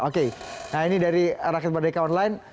oke nah ini dari rakyat merdeka online